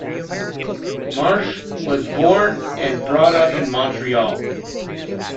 Marsh was born and brought up in Montreal.